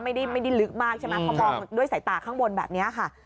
ไม่ได้ลึกมากใช่ไหมพอมองด้วยสายตาข้างบนแบบนี้ค่ะ